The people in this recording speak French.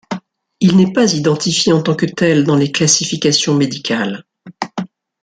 Il n'est pas identifié en tant que tel dans les classifications médicales.